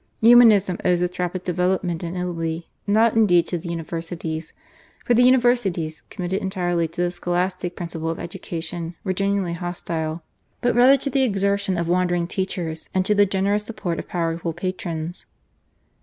Humanism owes its rapid development in Italy not indeed to the universities, for the universities, committed entirely to the Scholastic principles of education, were generally hostile, but rather to the exertions of wandering teachers and to the generous support of powerful patrons.